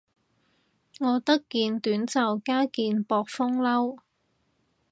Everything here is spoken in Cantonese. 我得件短袖加件薄風褸